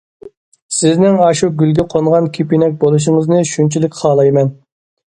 سىزنىڭ ئاشۇ گۈلگە قونغان كېپىنەك بولۇشىڭىزنى شۇنچىلىك خالايمەن.